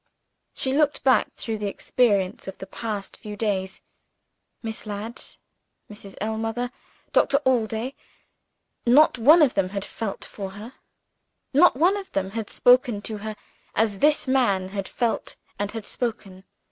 She looked back through the experience of the last few days. Miss Ladd Mrs. Ellmother Doctor Allday: not one of them had felt for her, not one of them had spoken to her, as this man had felt and had spoken.